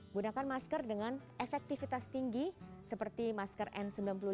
gunakan masker dengan efektivitas tinggi seperti masker n sembilan puluh lima